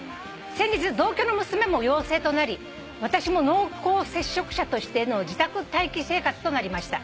「先日同居の娘も陽性となり私も濃厚接触者としての自宅待機生活となりました」